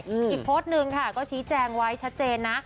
อีกโพสต์หนึ่งค่ะก็ชี้แจงไว้ชัดเจนนะ